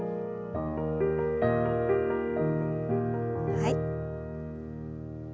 はい。